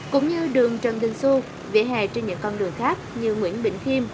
cũng như đường trần đình xu vỉa hè trên những con đường khác như nguyễn bình khiêm